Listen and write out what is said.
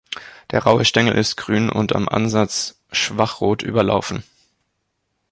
Der raue Stängel ist grün und am Ansatz schwach rot überlaufen.